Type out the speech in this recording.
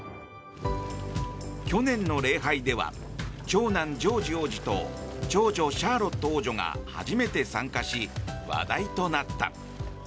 去年の礼拝では長男ジョージ王子と長女シャーロット王女が初めて参加し、話題となった。